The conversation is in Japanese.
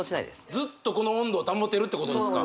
ずっとこの温度を保てるってことですか